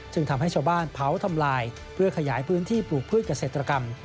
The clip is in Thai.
ทำให้ชาวบ้านเผาทำลายเพื่อขยายพื้นที่ปลูกพืชเกษตรกรรม